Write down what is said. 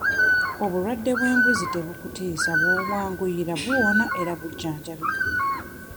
Obulwadde bw'embuzi tebukutiisa bw'obwanguyira buwona era bujjanjabika.